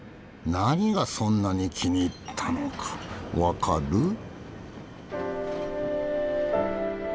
何がそんなに気に入ったのか分かる？